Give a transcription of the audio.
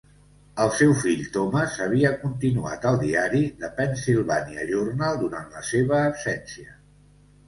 El seu fill Thomas havia continuat el diari "The Pennsylvania Journal" durant la seva absència.